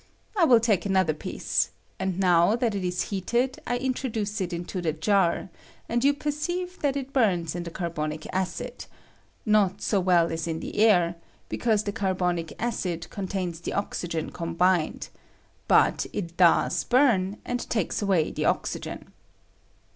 I will take another piece, and now that it is heated I introduce it into the jar, and you perceive that it boras in the carbonic acid — not so well as in the air, because the carbonic acid contains' the oxygen combined ; but it does burn, and takes away the oxygen.